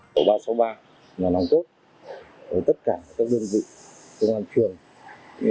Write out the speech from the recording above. tổ ba trăm sáu mươi ba là nông tốt của tất cả các đơn vị công an trường